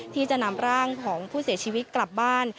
ที่จะนำร่างของผู้เสียชีวิตกลับบ้าน